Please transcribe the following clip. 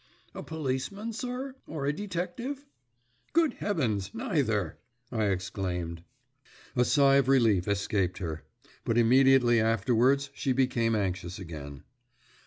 "A policeman, sir, or a detective?" "Good heavens, neither!" I exclaimed. A sigh of relief escaped her, but immediately afterwards she became anxious again.